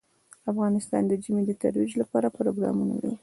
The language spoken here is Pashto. افغانستان د ژمی د ترویج لپاره پروګرامونه لري.